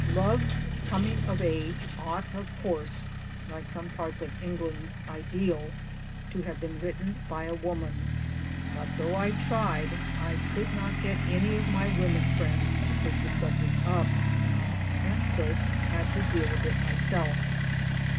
Love's Coming of Age ought of course (like some parts of 'England's Ideal) to have been written by a woman ; but, though I tried, I could not get any of my women friends to take the subject up, and so had to deal with it myself.